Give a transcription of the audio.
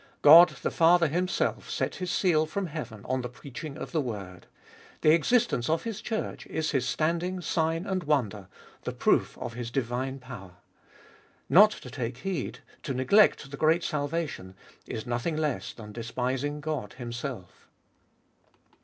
God the Father Himself set His seal from heaven on the preaching of the word. The existence of His church is His standing sign and wonder, the proof of His divine power. Not to take heed, to neglect the great salvation, is nothing less than despising God Himself.